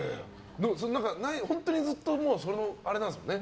本当にずっとそれなんですもんね。